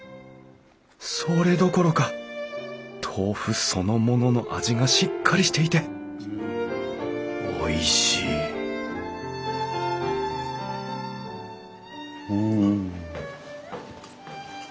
それどころか豆腐そのものの味がしっかりしていておいしいうん。